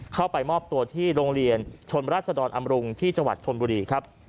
เข้าไปมอบตัวที่โรงเรียนชนรัศดรอำรุงที่จังหวัดชนบุรีครับ